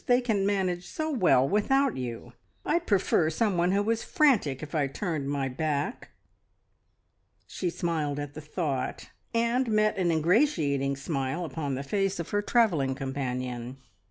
They can manage so well without you. I'd prefer some one who was frantic if I turned my back " She smiled at the thought, and met an ingratiating smile upon the face of her travelling companion.